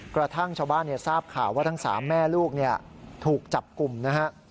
กระทั่งชาวบ้านทราบข่าวว่าทั้ง๓แม่ลูกถูกจับกลุ่มนะฮะ